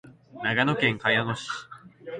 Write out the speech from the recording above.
長野県茅野市